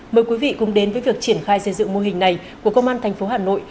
mời quý vị cùng đến với việc triển khai xây dựng mô hình này của công an tp hà nội